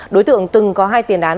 đối tượng từng có hai tiền đán